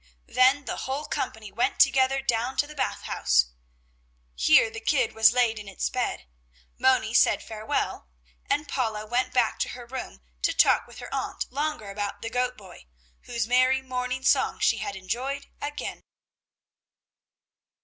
Then the whole company went together down to the Bath House. Here the kid was laid in its bed, Moni said farewell, and Paula went back to her room to talk with her aunt longer about the goat boy, whose merry morning song she had enjoyed again.